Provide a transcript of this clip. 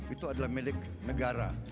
itu adalah milik negara